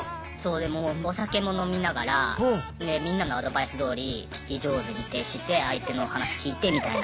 でもうお酒も飲みながらみんなのアドバイスどおり聞き上手に徹して相手のお話聞いてみたいな。